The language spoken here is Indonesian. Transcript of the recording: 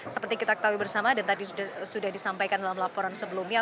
seperti kita ketahui bersama dan tadi sudah disampaikan dalam laporan sebelumnya